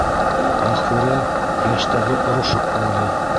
Мәғфүрә йәштәрҙе орошоп алды: